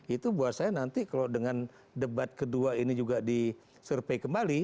itu buat saya nanti kalau dengan debat kedua ini juga disurvey kembali